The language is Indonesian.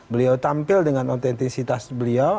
beliau tampil dengan otentisitas beliau